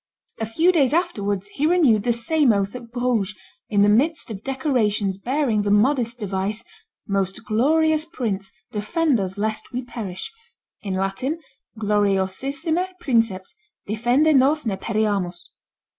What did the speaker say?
A few days afterwards he renewed the same oath at Bruges, in the midst of decorations bearing the modest device, "Most glorious prince, defend us lest we perish" (Gloriosissime princeps, defende nos ne pereamus).